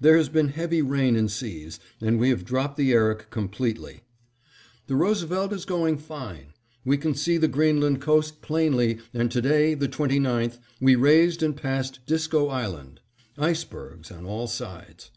There has been heavy rain and seas, and we have dropped the Erik completely. The Roosevelt is going fine. We can see the Greenland coast plainly and to day, the 29th, we raised and passed Disco Island. Icebergs on all sides.